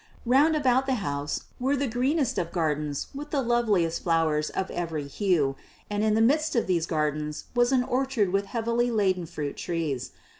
Round about the house were the greenest of gardens with loveliest flowers of every hue, and in the midst of these gardens was an orchard with heavily laden fruit trees.